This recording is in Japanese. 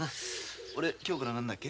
俺今日から何だっけ？